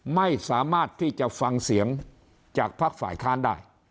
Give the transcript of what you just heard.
ไม่สามารถที่จะฟังเสียงจากภักดิ์ฝ่ายค้านได้